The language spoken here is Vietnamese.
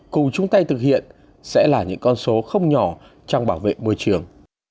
cùng chúng ta thực hiện sẽ là những con số không nhỏ trong bảo vệ môi trường